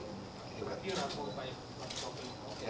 kalau di baris senen ya